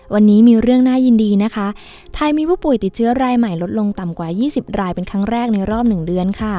วันนี้มีเรื่องน่ายินดีนะคะไทยมีผู้ป่วยติดเชื้อรายใหม่ลดลงต่ำกว่า๒๐รายเป็นครั้งแรกในรอบหนึ่งเดือนค่ะ